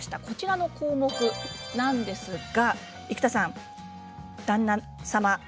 こちらの項目なんですが生田さん、旦那様